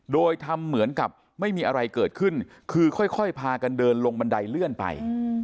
โดยทำเหมือนกับไม่มีอะไรเกิดขึ้นคือค่อยพากันเดินลงบันไดเลื่อนไป